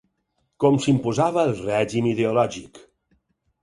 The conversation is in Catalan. Com s'imposava el règim ideològic.